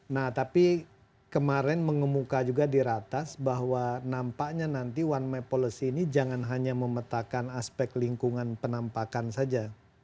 nah tapi kemarin mengemuka juga di ratas bahwa nampaknya nanti one map policy ini jangan hanya memetakan aspek lingkungan penampakan saja